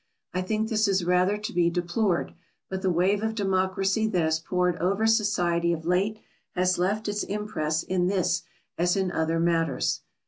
I think this is rather to be deplored, but the wave of democracy that has poured over society of late has left its impress in this as in other matters.